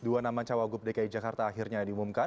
dua nama cawagup dki jakarta akhirnya diumumkan